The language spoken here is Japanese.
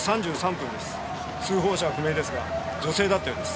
通報者は不明ですが女性だったようです。